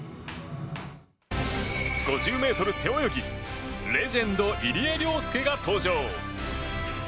５０ｍ背泳ぎレジェンド、入江陵介が登場。